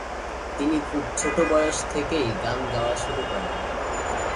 তিনি খুব ছোট বয়স থেকেই গান গাওয়া শুরু করেন।